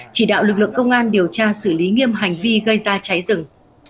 chỉ đạo lực lượng công an điều tra xử lý nghiêm hành vi gây ra cháy rừng